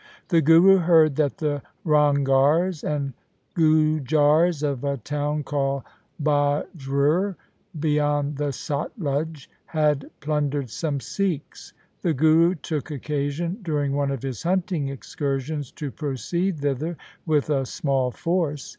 The Guru heard that the Ranghars and Gujars of a town called Bajrur, beyond the Satluj, had plun dered some Sikhs. The Guru took occasion during one of his hunting excursions to proceed thither with a small force.